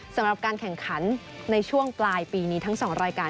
สำหรับการแข่งขันในช่วงปลายปีนี้ทั้ง๒รายการ